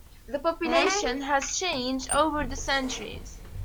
The population has changed over the centuries.